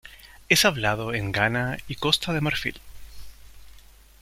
Es hablado en Ghana y Costa de Marfil.